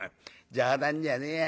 冗談じゃねえや。